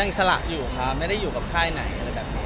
อิสระอยู่ครับไม่ได้อยู่กับค่ายไหนอะไรแบบนี้